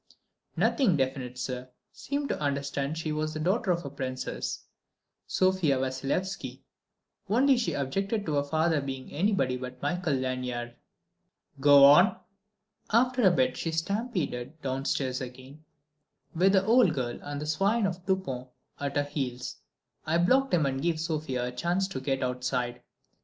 "Nothing definite, sir: seemed to understand she was the daughter of Princess Sofia Vassilyevski, only she objected to her father being anybody but Michael Lanyard." "Go on." "After a bit she stampeded downstairs again, with the old girl and that swine of a Dupont at her heels. I blocked him and gave Sofia a chance to get outside.